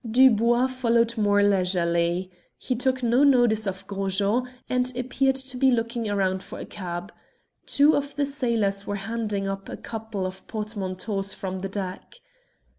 Dubois followed more leisurely. He took no notice of Gros Jean, and appeared to be looking around for a cab. Two of the sailors were handing up a couple of portmanteaus from the deck.